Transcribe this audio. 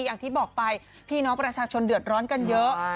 อย่างที่บอกไปพี่น้องประชาชนเดือดร้อนกันเยอะ